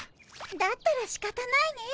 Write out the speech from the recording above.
だったらしかたないね。